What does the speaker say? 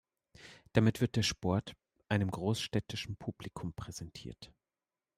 Damit wird der Sport einem großstädtischen Publikum präsentiert.